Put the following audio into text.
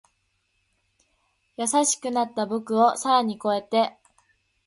優しくなった僕を更に越えて